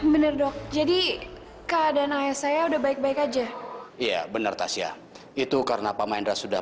bener dok jadi keadaan saya udah baik baik aja iya bener tasya itu karena pak maindra sudah